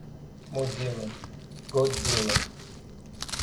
Mozilla, Godzilla.